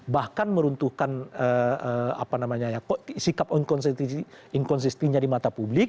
bahkan meruntuhkan sikap inconsistennya di mata publik